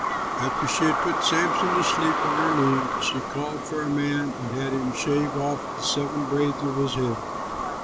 After she had put Samson to sleep on her knees, she called for a man and had him shave off the seven braids on his head.